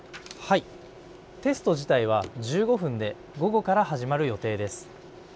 テスト自体は１５分で午後から始まる予定です。